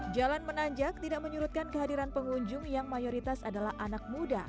jalan menanjak tidak menyurutkan kehadiran pengunjung yang mayoritas adalah anak muda